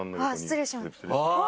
失礼します。